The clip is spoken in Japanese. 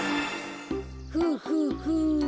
フフフ。